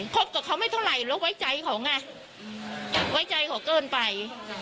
บกับเขาไม่เท่าไหร่เราไว้ใจเขาไงไว้ใจเขาเกินไป